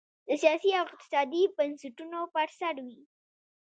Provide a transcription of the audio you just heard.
د سیاسي او اقتصادي بنسټونو پر سر وې.